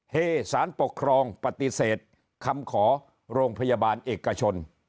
ให้สารปกครองปฏิเสธคำขอโรงพยาบาลเอกชน